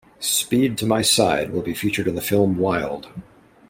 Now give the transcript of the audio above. "Speed To My Side" will be featured in the film Wild.